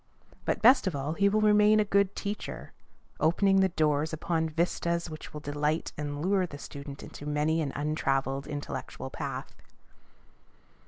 But best of all, he will remain a good teacher, opening the doors upon vistas which will delight and lure the student into many an untraveled intellectual path.